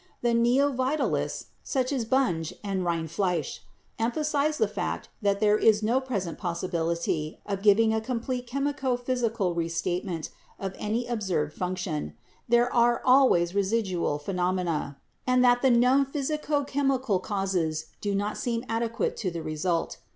The 'neo vitalists,' such as Bunge and Rindfleisch, empha size the fact that there is no present possibility of giving a complete chemico physical restatement of any observed function; that there are always residual phenomena; and 24 BIOLOGY that the known physico chemical causes do not seem adequate to the result.